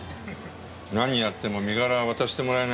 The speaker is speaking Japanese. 何やっても身柄は渡してもらえないよ。